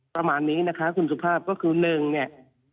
ประมาณนี้นะคะคุณสุภาพก็คือ